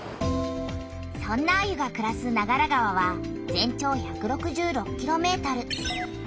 そんなアユがくらす長良川は全長１６６ｋｍ。